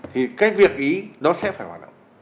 thì cái việc ý nó sẽ phải hoạt động